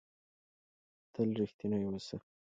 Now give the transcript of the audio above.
تل رښتنی اوسهٔ.